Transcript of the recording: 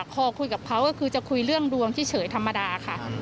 พอคุยกับเขาก็คือจะคุยเรื่องดวงเฉยธรรมดาค่ะ